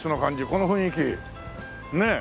この雰囲気ねえ。